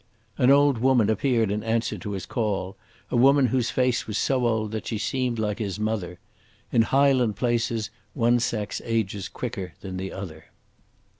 An old woman appeared in answer to his call, a woman whose face was so old that she seemed like his mother. In highland places one sex ages quicker than the other.